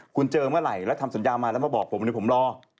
คุณเจอเมื่อไหร่แล้วทำสัญญามาแล้วมาบอกผมเดี๋ยวผมรอ